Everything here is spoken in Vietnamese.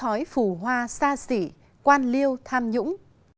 thói phù hoa xa xỉ quan liêu tham nhũng